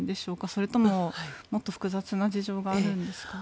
それとも、もっと複雑な事情があるんですか？